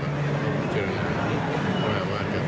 มาแล้วเดินทางกลับด้วยก็จะยาก